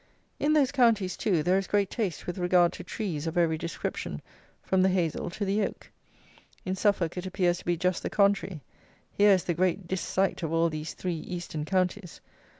In those counties, too, there is great taste with regard to trees of every description, from the hazel to the oak. In Suffolk it appears to be just the contrary: here is the great dissight of all these three eastern counties.